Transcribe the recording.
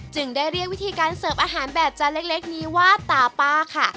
ได้เรียกวิธีการเสิร์ฟอาหารแบบจานเล็กนี้ว่าตาป้าค่ะ